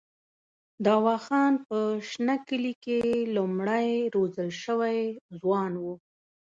دوا خان په شنه کلي کې لومړنی روزل شوی ځوان وو.